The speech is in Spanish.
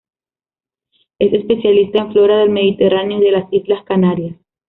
Es especialista en flora del Mediterráneo y de las islas Canarias.